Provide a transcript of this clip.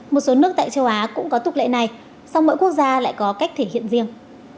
một số nước tại châu á cũng có tục lệ này song mỗi quốc gia lại có cách thể hiện riêng